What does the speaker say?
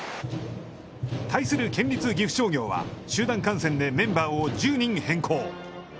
対する県立岐阜商業は、集団感染でメンバーを１０人変更。